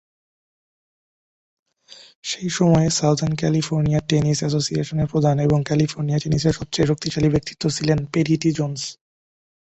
সেই সময়ে, Southern California tennis অ্যাসোসিয়েশনের প্রধান এবং ক্যালিফোর্নিয়া টেনিসের সবচেয়ে শক্তিশালী ব্যক্তিত্ব ছিলেন পেরি টি জোন্স।